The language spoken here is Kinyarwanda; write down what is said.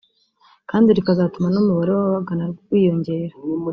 kandi rikazatuma n’ umubare w’ababagana wiyongera